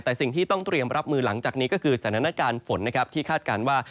แต่สิ่งที่ต้องเตรียมรับมือหลังจากนี้ก็คือสถานการณ์ฝนนะครับที่คาดการณ์ว่า